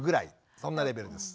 そんなレベルです。